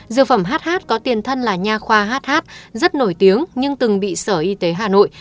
dược phẩm hh có tiền thân là nha khoa hh rất nổi tiếng nhưng từng bị sở y tế hà nội